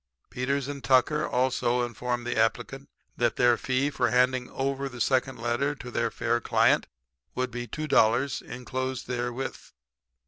Peters & Tucker also informed the applicant that their fee for handing over the second letter to their fair client would be $2, enclosed therewith.